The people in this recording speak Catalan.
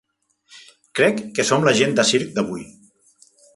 Crec que som la gent de circ d'avui.